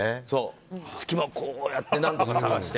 隙間をこうやって何とか探して。